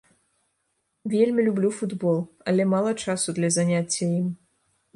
Вельмі люблю футбол, але мала часу для заняцця ім.